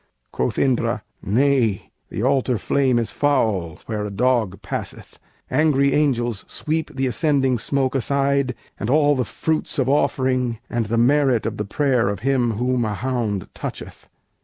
Quoth Indra: "Nay, the altar flame is foul Where a dog passeth; angry angels sweep The ascending smoke aside, and all the fruits Of offering, and the merit of the prayer Of him whom a hound toucheth.